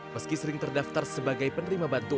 meski sering terdaftar sebagai penerima bantuan